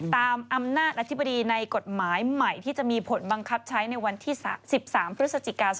ตามอำนาจอธิบดีในกฎหมายใหม่ที่จะมีผลบังคับใช้ในวันที่๑๓พฤศจิกา๒๕๖